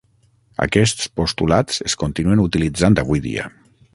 Aquests postulats es continuen utilitzant avui dia.